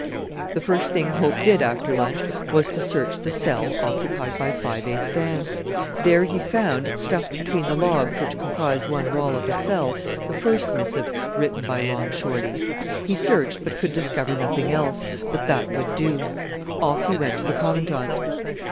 The first thing Hope did after lunch was to search the cell occupied by Five Ace Dan. There he found, stuffed between the logs which comprised one wall of the cell, the first missive written by Long Shorty. He searched but could discover nothing else, but that would do. Off he went to the Commandant.